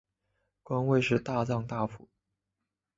官位是大藏大辅。